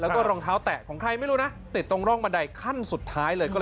แล้วก็รองเท้าแตะของใครไม่รู้นะติดตรงร่องบันไดขั้นสุดท้ายเลยก็เลย